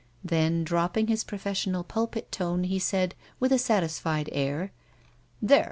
Then, dropping his professional pulpit tone, he said, with a satisfied air :" There